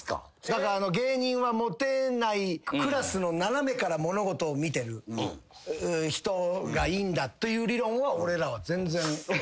芸人はモテないクラスの斜めから物事を見てる人がいいんだという理論を俺らは全然そう思ってない。